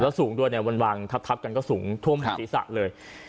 แล้วสูงด้วยเนี่ยวันทับกันก็สูงทั่วหมถีศักดิ์เลย